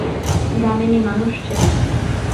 দামিনী মানুষ চেনে।